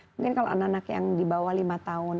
mungkin kalau anak anak yang di bawah lima tahun